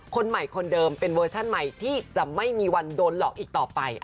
คนใหม่คนเดิมเป็นเวอร์ชั่นใหม่ที่จะไม่มีวันโดนหลอกอีกต่อไป